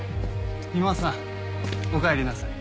三馬さんおかえりなさい。